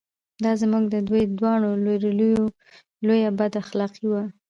دا زموږ او د دوی دواړو لوریو لویه بد اخلاقي وه.